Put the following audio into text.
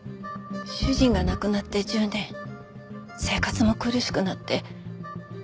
主人が亡くなって１０年生活も苦しくなって。